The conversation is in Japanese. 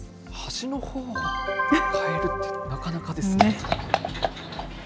橋のほうをかえるって、なかなかですね。